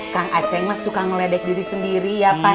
kang aceh mah suka ngeledek diri sendiri ya pak